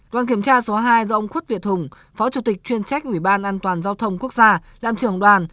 đoàn kiểm tra số hai do ông khuất việt hùng phó chủ tịch chuyên trách ủy ban an toàn giao thông quốc gia làm trưởng đoàn